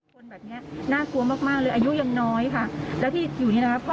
คนแบบเนี้ยน่ากลัวมากมากเลยอายุยังน้อยค่ะแล้วที่อยู่นี่นะคะพ่อ